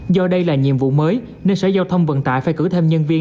do đây là nhiệm vụ mới nên sở giao thông vận tải phải cử thêm nhân viên